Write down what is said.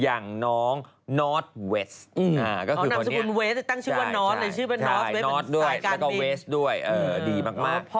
แล้วก็เวสต์ด้วยดีมาก